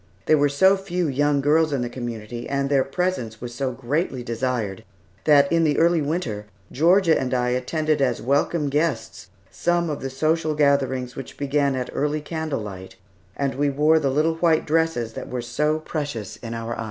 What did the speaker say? There were so few young girls in the community, and their presence was so greatly desired, that in the early winter, Georgia and I attended as welcome guests some of the social gatherings which began at early candle light, and we wore the little white dresses that were so precious in our eyes.